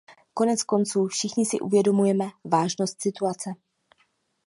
Koneckonců, všichni si uvědomujeme vážnost situace.